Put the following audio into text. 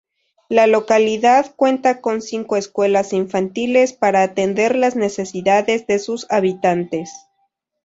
La localidad cuenta con cinco escuelas infantiles para atender las necesidades de sus habitantes.